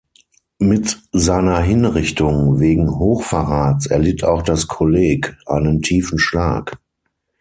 Mit seiner Hinrichtung wegen Hochverrats erlitt auch das Kolleg einen tiefen Schlag.